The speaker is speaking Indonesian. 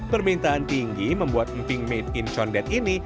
permintaan tinggi membuat emping made in condet ini